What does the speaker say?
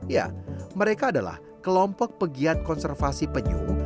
ya mereka adalah kelompok pegiat konservasi penyu